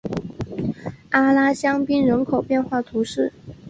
阿拉香槟人口变化图示